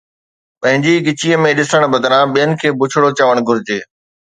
پنهنجي ڳچيءَ ۾ ڏسڻ بدران ٻين کي بڇڙو چوڻ گهرجي